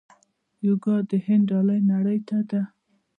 یوګا د هند ډالۍ نړۍ ته ده.